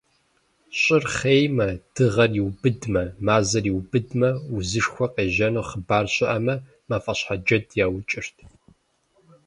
Щӏыр хъеймэ, дыгъэр иубыдмэ, мазэр иубыдмэ, узышхуэ къежьэну хъыбар щыӏэмэ, мафӏэщхьэджэд яукӏырт.